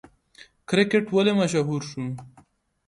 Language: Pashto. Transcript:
کرکټ ولې مشهور دی؟